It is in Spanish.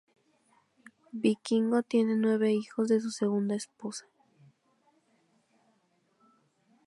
Vikingo tiene nueve hijos de su segunda esposa.